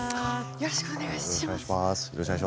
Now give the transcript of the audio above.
よろしくお願いします。